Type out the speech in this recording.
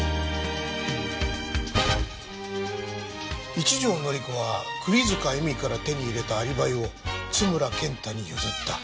一条典子は栗塚エミから手に入れたアリバイを津村健太に譲った。